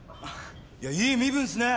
いい身分っすね。